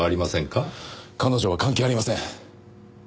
彼女は関係ありません！